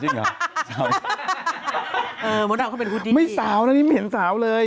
เออมดับเข้าเป็นหุ้ดดินสิไม่สาวนะเนี่ยเหมียนสาวเลย